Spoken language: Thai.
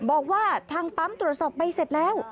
บอกว่าทางปั๊มตรวจสอบใบเสร็จแล้ว